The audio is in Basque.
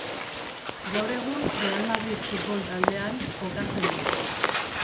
Gaur egun Real Madrid futbol taldean jokatzen du.